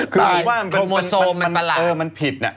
คือว่ามันเป็นเออมันผิดอ่ะผิดแปลกเลยอย่างนี้